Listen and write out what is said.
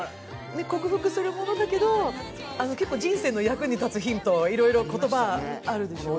克服するものだけど、結構人生の役に立つヒント、いろいろ言葉があるでしょう？